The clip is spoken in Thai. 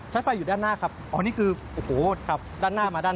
ชาร์จไฟฟ้าอยู่ด้านหน้าครับ